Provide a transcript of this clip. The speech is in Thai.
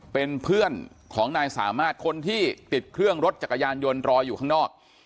เป็นเพื่อนของนายสามารถคนที่ติดเครื่องรถจักรยานยนต์รออยู่ข้างนอก